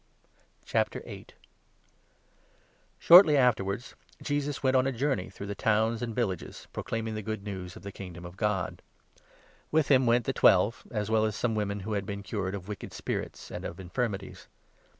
women who Shortly afterwards, Jesus went on a journey i 8 ministered through the towns and villages, proclaiming the to Jesus. Good News of the Kingdom of God. With him went the Twelve, as well as some women who had been cured 2 of wicked spirits and of infirmities.